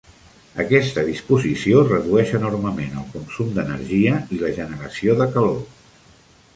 Aquesta disposició redueix enormement el consum d'energia i la generació de calor.